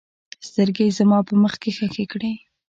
سترګې یې زما په مخ کې ښخې کړې.